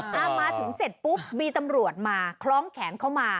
เอามาถึงเสร็จปุ๊บมีตำรวจมาคล้องแขนเข้ามา